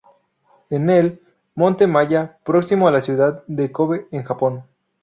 En el "Monte Maya", próximo a la ciudad de Kōbe en Japón.